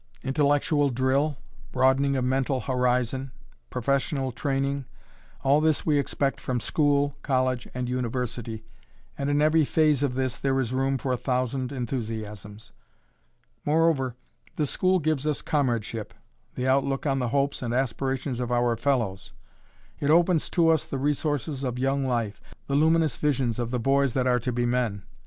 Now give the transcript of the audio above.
Intellectual drill, broadening of mental horizon, professional training, all this we expect from school, college, and university and in every phase of this there is room for a thousand enthusiasms. Moreover, the school gives us comradeship, the outlook on the hopes and aspirations of our fellows. It opens to us the resources of young life, the luminous visions of the boys that are to be men.